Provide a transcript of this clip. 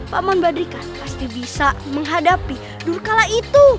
paman badrika pasti bisa menghadapi durkala itu